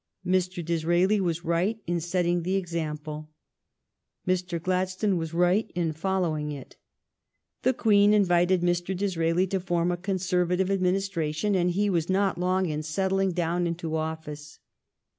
Mr. Dis raeli was right in setting the example. Mr. Glad stone was right in following it. The Queen invited Mr. Disraeli to form a Conservative ad ministration, and he was not long in settling down into office.